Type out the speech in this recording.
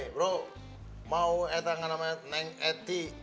bro mau ete nama neng eti